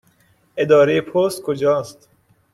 اداره پست کجا است؟